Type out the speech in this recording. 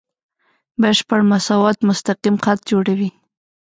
بشپړ مساوات مستقیم خط جوړوي.